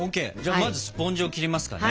まずスポンジを切りますかね。